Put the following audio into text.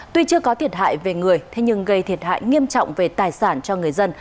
tuy chưa có thiệt hại về người thế nhưng gây thiệt hại nghiêm trọng về tài sản cho người dân